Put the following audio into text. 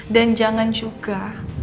dan jangan juga